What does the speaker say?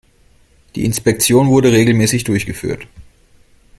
Die Inspektion wurde regelmäßig durchgeführt.